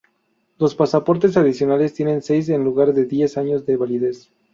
Los pasaportes adicionales tienen seis en lugar de diez años de validez.